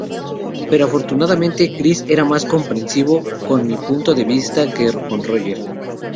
Pero afortunadamente, Chris era más comprensivo con mi punto de vista que con Roger"".